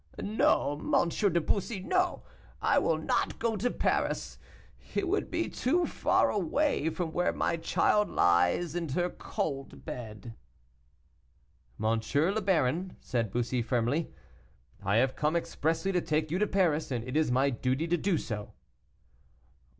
"No, M. de Bussy, no, I will not go to Paris; it would be too far away from where my child lies in her cold bed." "M. le Baron," said Bussy firmly, "I have come expressly to take you to Paris, and it is my duty to do so."